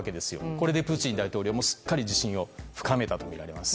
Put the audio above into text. これでプーチン大統領もすっかり自信を深めたとみられます。